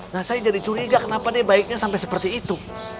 nah saya jadi curiga kenapa dia baiknya sampai seperti itu